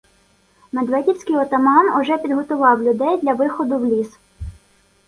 Медведівський отаман уже підготував людей для виходу в ліс.